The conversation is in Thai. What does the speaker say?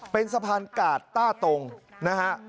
เป็นสะพานกาดต้าตงนะครับ